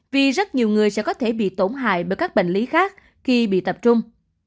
vì rất nhiều người sẽ có thể bị tổn hại bởi các bệnh lý khác khi bị tập trung